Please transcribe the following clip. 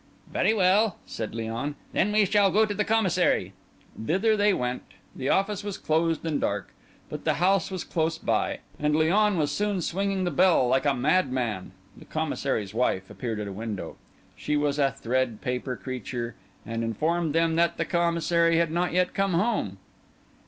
"Very well," said Léon, "then we shall go to the Commissary." Thither they went; the office was closed and dark; but the house was close by, and Léon was soon swinging the bell like a madman. The Commissary's wife appeared at a window. She was a thread paper creature, and informed them that the Commissary had not yet come home.